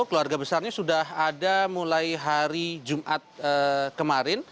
keluarga besarnya sudah ada mulai hari jumat kemarin